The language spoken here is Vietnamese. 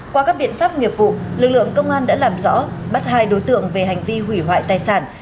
qua các biện pháp nghiệp vụ lực lượng công an đã làm rõ bắt hai đối tượng về hành vi hủy hoại tài sản